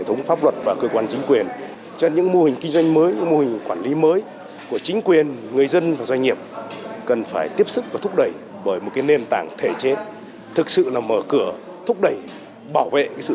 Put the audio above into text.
thực sự mở cửa thúc đẩy bảo vệ sự sáng tạo